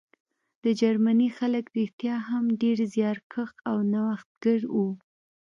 د جرمني خلک رښتیا هم ډېر زیارکښ او نوښتګر وو